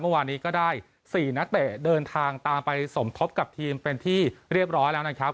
เมื่อวานนี้ก็ได้๔นักเตะเดินทางตามไปสมทบกับทีมเป็นที่เรียบร้อยแล้วนะครับ